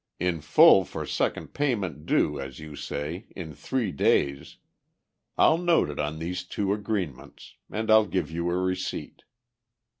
"In full for second payment due, as you say, in three days. I'll note it on the two agreements. And I'll give you a receipt."